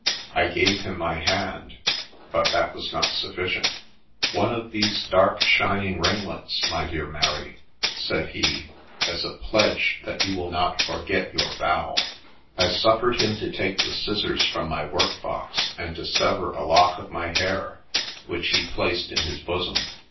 [ gave him my hand, but that was not sufficient. ' One of these dark shining ringlets, my dear Mary,' said he, ' as a pledge that you will not forget your vow !' I suffered him to take the 120 SINGULAR PASSAGE IN THE LIFE OF scissors from my work box and to sever a lock of my hair, which he placed in his bosom.